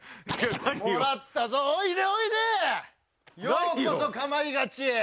ようこそ『かまいガチ』へ。